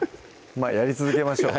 まぁやり続けましょう